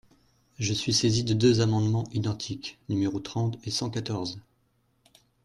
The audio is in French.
Je suis saisi de deux amendements identiques, numéros trente et cent quatorze.